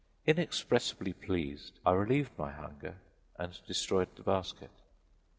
Inexpressibly pleased, I relieved my hunger and destroyed the basket.